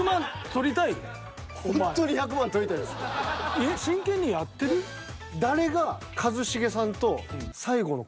えっ真剣にやってる？はあ？